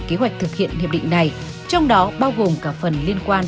kế hoạch thực hiện hiệp định này trong đó bao gồm cả phần liên quan